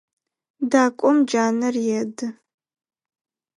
Дакӏом джанэр еды.